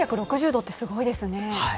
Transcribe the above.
３６０度って、すごいですね。